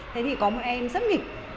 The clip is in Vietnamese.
thế thì có một em rất nghịch